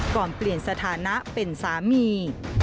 ก่อนเปลี่ยนสถานะเป็นสามี